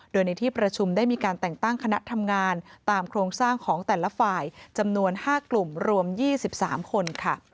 โดยในที่ประชุมได้มีการแต่งตั้งคณะทำงานตามโครงสร้างของแต่ละฝ่ายจำนวน๕กลุ่มรวม๒๓คน